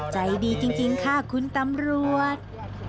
ใจดีจริงค่ะคุณตำรวจ